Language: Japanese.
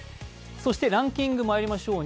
そしてランキングまいりましょう。